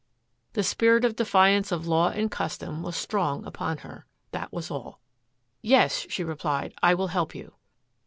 The spirit of defiance of law and custom was strong upon her. That was all. "Yes," she replied, "I will help you."